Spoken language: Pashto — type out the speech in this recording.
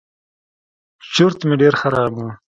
چورت مې ډېر خراب و.